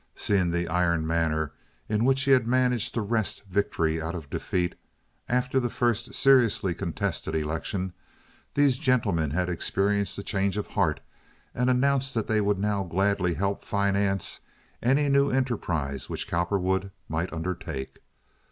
Seeing the iron manner in which he had managed to wrest victory out of defeat after the first seriously contested election, these gentlemen had experienced a change of heart and announced that they would now gladly help finance any new enterprise which Cowperwood might undertake.